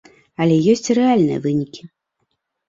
Але ёсць і рэальныя вынікі.